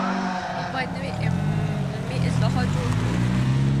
موږ بايد نوي علمي اصطلاحات جوړ کړو.